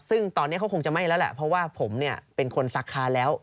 ซึ่งตอนนี้เขาคงจะไหม้แล้วแหละเพราะว่าผมเนี่ยเป็นคนซักค้าแล้ว